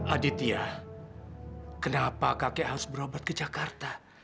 aditya kenapa kakek harus berobat ke jakarta